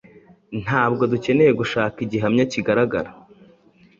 Ntabwo dukeneye gushaka igihamya kigaragara